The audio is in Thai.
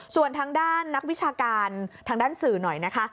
ส่วนทางด้านนักวิชาการทางด้านสื่อหน่อยนะคะ